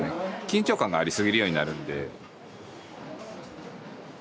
緊張感がありすぎるようになるんで。